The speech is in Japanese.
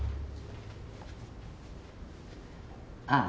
ああ。